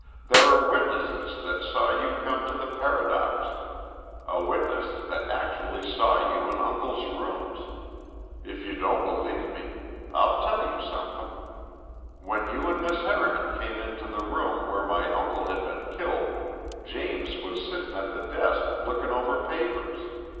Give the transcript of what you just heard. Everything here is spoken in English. There are witnesses that saw you come to the Paradox, a witness that actually saw you in uncle's rooms. If you don't believe me, I'll tell you somethin'. When you an' Miss Harriman came into the room where my uncle had been killed, James was sittin' at the desk lookin' over papers.